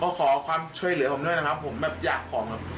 ก็ขอความช่วยเหลือผมด้วยนะครับผมแบบอยากของครับ